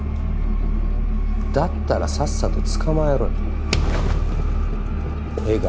だったらさっさと捕まえろよ。